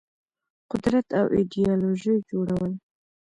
قدرت او ایدیالوژيو جوړول